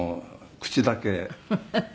口だけ？」